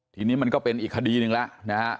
ทีนี้มันก็เป็นอีกคดีหนึ่งแล้วนะฮะ